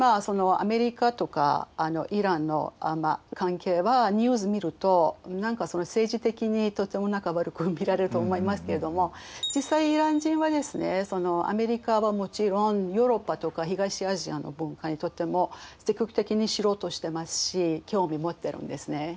そのアメリカとかイランの関係はニュース見ると何か政治的にとても悪く見られると思いますけれども実際イラン人はですねアメリカはもちろんヨーロッパとか東アジアの文化にとっても積極的に知ろうとしてますし興味持ってるんですね。